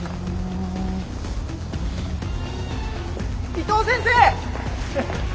伊藤先生！